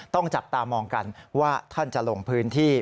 ต้องจับตามองกันว่าท่านจะลงพื้นที่